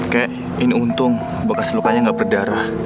kayak ini untung bekas lukanya nggak berdarah